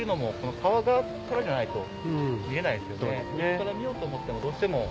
横から見ようと思ってもどうしても。